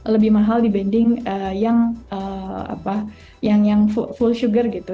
lebih mahal dibanding yang full sugar gitu